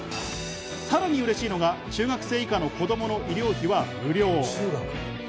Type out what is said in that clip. さらにうれしいのが中学生以下の子供の医療費は無料。